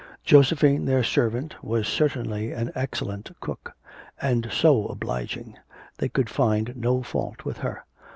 Josephine, their servant, was certainly an excellent cook; and so obliging; they could find no fault with her.